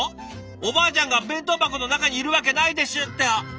おばあちゃんが弁当箱の中にいるわけないですって。